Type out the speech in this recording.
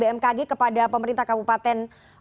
bmkg kepada pemerintah kabupaten